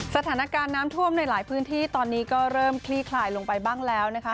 สถานการณ์น้ำท่วมในหลายพื้นที่ตอนนี้ก็เริ่มคลี่คลายลงไปบ้างแล้วนะคะ